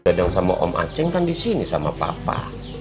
dadang sama om aceng kan disini sama papa